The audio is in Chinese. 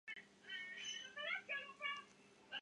通常还会配合行为治疗法使用。